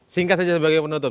singkat saja sebagai penutup